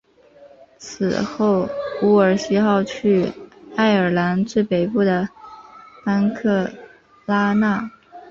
此后伍尔西号去爱尔兰最北部的班克拉纳。